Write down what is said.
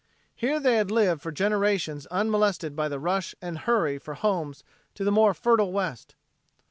Here they had lived for generations unmolested by the rush and hurry for homes to the more fertile West.